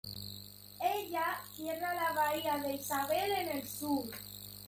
Ella cierra la bahía de Isabel en el sur.